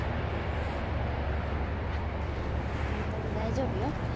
本当に大丈夫よ。